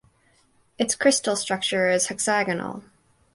Its crystal structure is hexagonal.